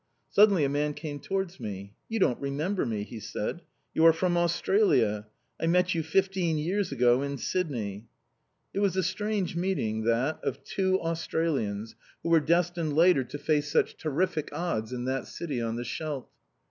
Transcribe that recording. Suddenly a man came towards me. "You don't remember me," he said. "You are from Australia! I met you fifteen years ago in Sydney." It was a strange meeting that, of two Australians, who were destined later on to face such terrific odds in that city on the Scheldt.